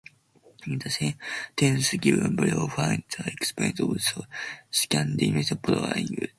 In the sentences given below find the examples of Scandinavian borrowings.